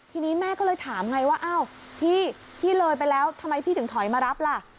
ทีนี้แม่ก็เลยถามไงว่าอ้าวพี่พี่เลยไปแล้วทำไมพี่ถึงถอยมารับล่ะ